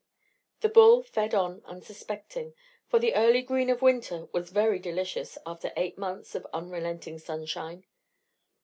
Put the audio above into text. The bull fed on unsuspecting, for the early green of winter was very delicious after eight months of unrelenting sunshine.